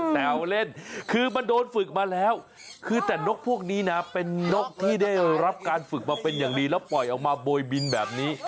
แต่เอาเล่นคือมันโดนฝึกมาแล้วคือแต่นกพวกนี้นะเป็นนกที่ได้รับการฝึกมาเป็นอย่างดีแล้วปล่อยออกมาโบยบินแบบนี้